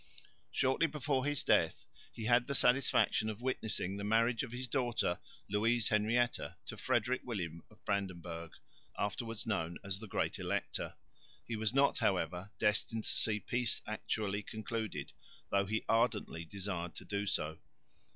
Shortly before his death he had the satisfaction of witnessing the marriage of his daughter Louise Henrietta to Frederick William of Brandenburg, afterwards known as the Great Elector. He was not, however, destined to see peace actually concluded, though he ardently desired to do so.